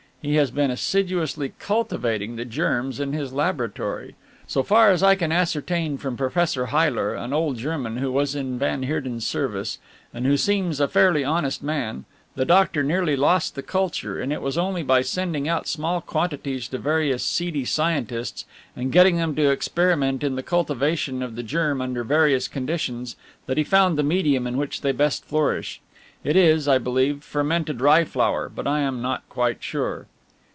He has been assiduously cultivating the germs in his laboratory. So far as I can ascertain from Professor Heyler, an old German who was in van Heerden's service and who seems a fairly honest man, the doctor nearly lost the culture, and it was only by sending out small quantities to various seedy scientists and getting them to experiment in the cultivation of the germ under various conditions that he found the medium in which they best flourish. It is, I believe, fermented rye flour, but I am not quite sure."